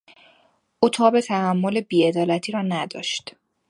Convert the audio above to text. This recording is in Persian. او تاب تحمل بی عدالتی را نداشت.